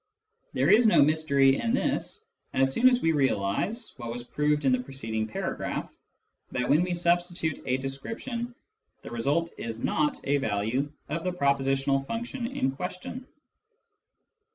There is no mystery in this as soon as we realise (what was proved in the preceding paragraph) that when we substitute a description the result is not a value of the propositional function in question.